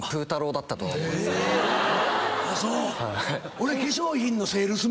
俺。